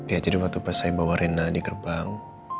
ya jadi waktu pas saya bawa rena di gerbang